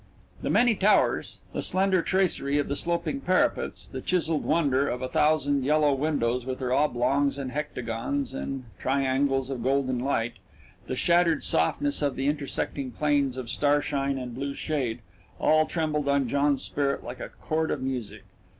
The many towers, the slender tracery of the sloping parapets, the chiselled wonder of a thousand yellow windows with their oblongs and hectagons and triangles of golden light, the shattered softness of the intersecting planes of star shine and blue shade, all trembled on John's spirit like a chord of music.